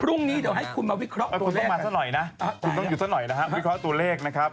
พรุ่งนี้เดี๋ยวให้คุณมาวิเคราะห์ตัวเลขนะครับคุณต้องอยู่สักหน่อยนะวิเคราะห์ตัวเลขนะครับ